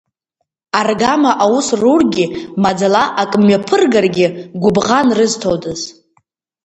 Аргама аус рургьы, маӡала ак мҩаԥыргаргьы, гәыбӷан рызҭодаз.